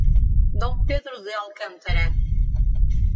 Dom Pedro de Alcântara